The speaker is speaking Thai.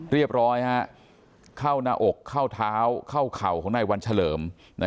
เรียบร้อยเข้าหน้าอกเข้าเท้าเข้าเข่าของนายวันเฉลิม